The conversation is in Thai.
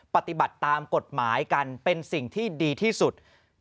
ปฏิบัติตามกฎหมายกันเป็นสิ่งที่ดีที่สุด